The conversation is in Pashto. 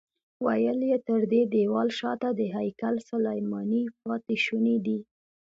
ویل یې تر دې دیوال شاته د هیکل سلیماني پاتې شوني دي.